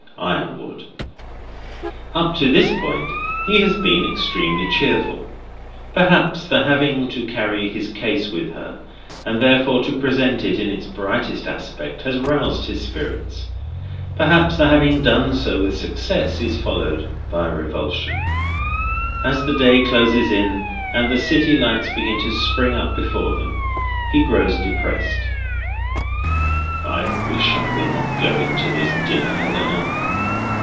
Iron wood. Up to this point he has been extremely cheerful. Perhaps, the having to carry his case with her, and therefore to present it in its brightest aspect, has roused his spirits. Perhaps, the having done so with success, is followed by a revulsion. As the day closes in, and the city lights begin to spring up before them, he grows depressed. "I wish I were not going to this dinner, Helena."